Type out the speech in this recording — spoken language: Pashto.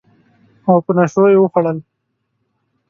او په نشو یې وخوړل